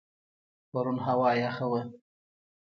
پرون هوا یخه وه.